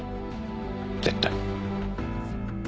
絶対。